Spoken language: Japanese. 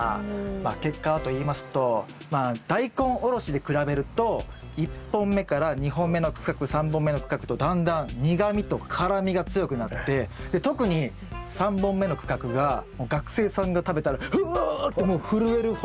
結果はといいますとダイコンおろしで比べると１本目から２本目の区画３本目の区画とだんだん苦みと辛みが強くなって特に３本目の区画が学生さんが食べたらああってもう震えるほどの。